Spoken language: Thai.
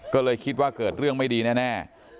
ก็เลยคิดว่าเกิดเรื่องไม่ดีแน่